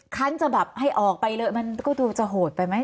คัญให้ออกไปเยอะก็เหงื่อจะโหดไปไหม